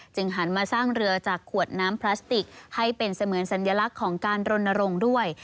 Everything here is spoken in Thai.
หันมาสร้างเรือจากขวดน้ำพลาสติกให้เป็นเสมือนสัญลักษณ์ของการรณรงค์ด้วย